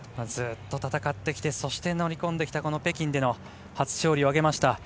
ずっと戦ってきてそして乗り込んできたこの北京で初勝利を挙げました。